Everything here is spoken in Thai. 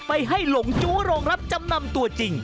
ไปให้หลงจู้โรงรับจำนำตัวจริง